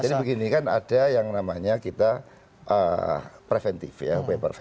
jadi begini kan ada yang namanya kita preventif ya